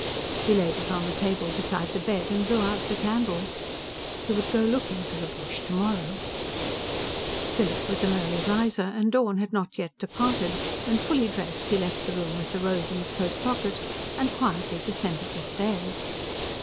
He laid it on the table beside the bed and blew out the candle. He would go looking for the bush tomorrow. Philip was an early riser, and dawn had not yet departed when, fully dressed, he left the room with the rose in his coat pocket and quietly descended the stairs.